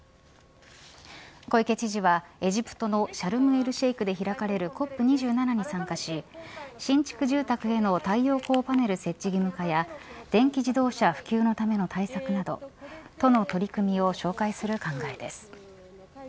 小池知事はエジプトのシャルムエルシェイクで開かれるＣＯＰ２７に参加し新築住宅への太陽光パネル設置義務化や電気自動車普及のための対策など都の取り組みを紹介する考えです。